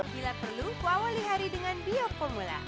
bila perlu kuawalihari dengan bioformula